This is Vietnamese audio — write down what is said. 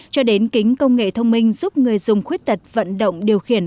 cho đến kính công nghệ thông minh giúp người dùng khuyết tật vận động điều khiển